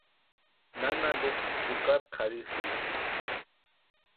Nana Lupa jukari kʼarhisïsti.